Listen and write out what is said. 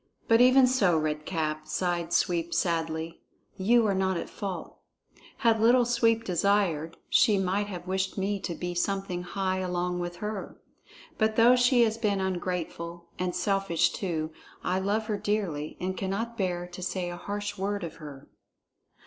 "But even so, Red Cap," sighed Sweep sadly, "you are not at fault. Had Little Sweep desired, she might have wished me to be something high along with her. But though she has been ungrateful and selfish, too, I love her dearly and cannot bear to say a harsh word of her."